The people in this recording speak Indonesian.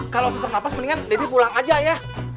kalau sesek napas mendingan debbie pulang aja ya